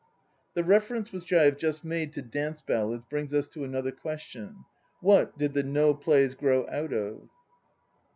The reference which I have just made to dance ballads brings us to another question. What did the No plays grow out of?